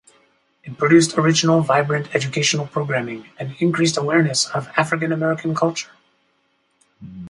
It produced original, vibrant, educational programming and increased awareness of African-American culture.